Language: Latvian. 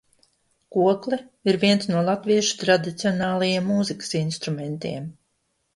Kokle ir viens no latviešu tradicionālajiem mūzikas instrumentiem.